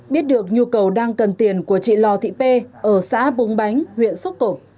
biết được nhu cầu đang cần tiền của chị lò thị pê ở xã búng bánh huyện xốp cộp